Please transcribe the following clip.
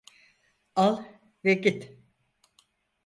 Al ve git.